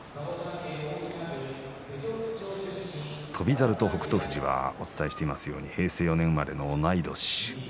翔猿と北勝富士はお伝えしていますように平成４年生まれの同い年です。